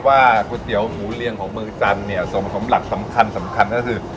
ก๋วยเตี๋ยวหมูเรียงของเมืองจันทร์เนี่ยส่วนผสมหลักสำคัญสำคัญก็คือ